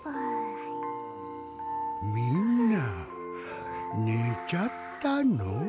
みんなねちゃったの？